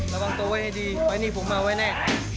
ระวังตัวไว้ให้ดีไฟล์นี้ผมมาไว้แน่